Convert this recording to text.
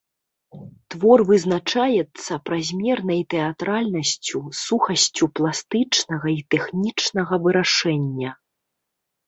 Твор вызначаецца празмернай тэатральнасцю, сухасцю пластычнага і тэхнічнага вырашэння.